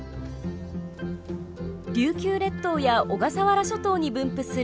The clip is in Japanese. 琉球列島や小笠原諸島に分布するアカギの木。